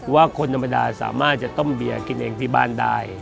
ว่าคนธรรมดาสามารถจะต้มเบียร์กินเองที่บ้านได้